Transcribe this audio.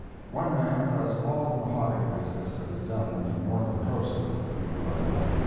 One man does all the mahogany business that is done on the northern coast of Nicaragua.